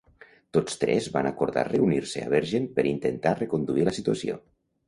Tots tres van acordar reunir-se a Bergen per intentar reconduir la situació.